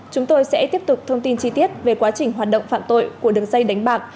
chúng tôi sẽ tiếp tục thông tin chi tiết về quá trình hoạt động phạm tội của đường dây đánh bạc